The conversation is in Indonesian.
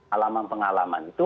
alaman pengalaman itu